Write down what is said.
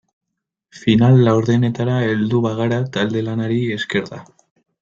Final laurdenetara heldu bagara talde-lanari esker da.